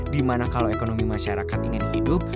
dimana kalau ekonomi masyarakat ingin hidup